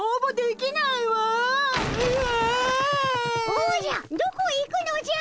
おじゃどこへ行くのじゃ。